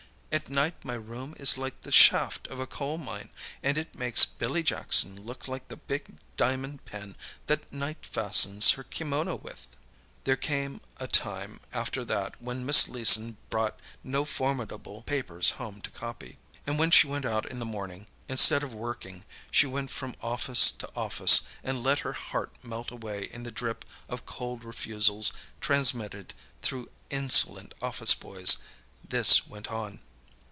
At night my room is like the shaft of a coal mine, and it makes Billy Jackson look like the big diamond pin that Night fastens her kimono with." There came a time after that when Miss Leeson brought no formidable papers home to copy. And when she went out in the morning, instead of working, she went from office to office and let her heart melt away in the drip of cold refusals transmitted through insolent office boys. This went on.